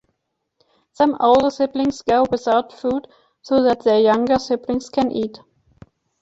Some older siblings go without food so that their younger siblings can eat.